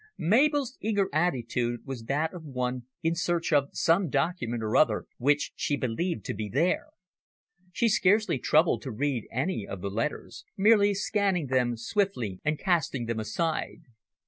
Mabel's eager attitude was that of one in search of some document or other which she believed to be there. She scarcely troubled to read any of the letters, merely scanning them swiftly and casting them aside.